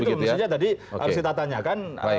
itu yang harus kita tanyakan